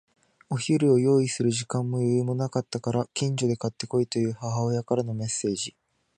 お昼を用意する時間も余裕もなかったから、近所で買って来いという母親からのメッセージ。